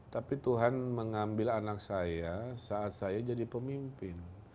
tapi tuhan mengambil anak saya saat saya jadi pemimpin